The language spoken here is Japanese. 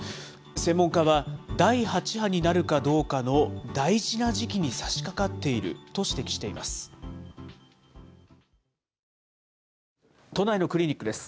専門家は、第８波になるかどうかの大事な時期にさしかかっていると指摘しています。